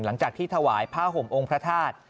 หลังจากที่ถวายผ้าห่มองค์พระธาตุ